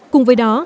cùng với đó